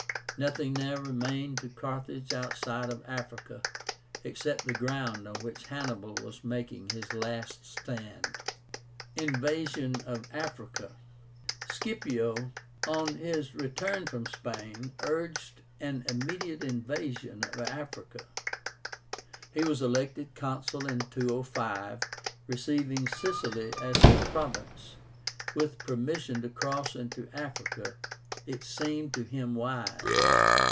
Nothing now remained to Carthage outside of Africa, except the ground on which Hannibal was making his last stand. INVASION OF AFRICA. Scipio, on his return from Spain, urged an immediate invasion of Africa. He was elected Consul in 205, receiving Sicily as his province, with permission to cross into Africa if it seemed to him wise.